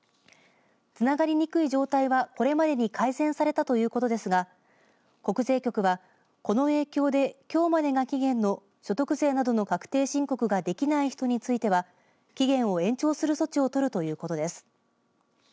つながりにくい状態はこれまでに改善されたということですが国税局はこの影響できょうまでが期限の所得税などの確定申告ができない人については期限を延長する措置を取るということです。